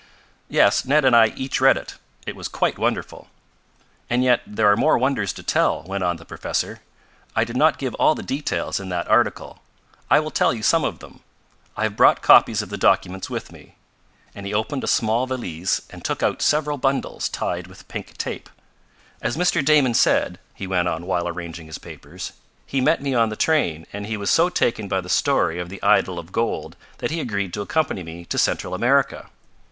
"Yes, Ned and I each read it. It was quite wonderful." "And yet there are more wonders to tell," went on the professor. "I did not give all the details in that article. I will tell you some of them. I have brought copies of the documents with me," and he opened a small valise and took out several bundles tied with pink tape. "As Mr. Damon said," he went on while arranging his papers, "he met me on the train, and he was so taken by the story of the idol of gold that he agreed to accompany me to Central America."